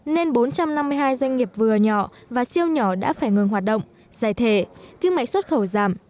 nên bốn trăm năm mươi hai doanh nghiệp vừa nhỏ và siêu nhỏ đã phải ngừng hoạt động giải thể kinh mệnh xuất khẩu giảm